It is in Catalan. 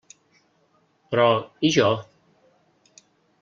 Però, i jo?